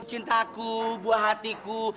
cintaku buah hatiku